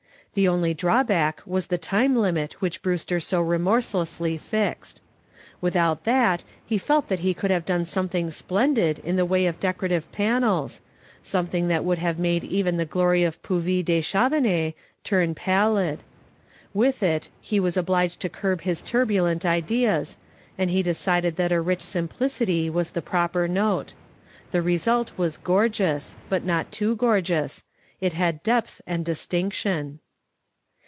The only drawback was the time limit which Brewster so remorselessly fixed. Without that he felt that he could have done something splendid in the way of decorative panels something that would make even the glory of Puvis de Chavannes turn pallid. With it he was obliged to curb his turbulent ideas, and he decided that a rich simplicity was the proper note. The result was gorgeous, but not too gorgeous, it had depth and distinction.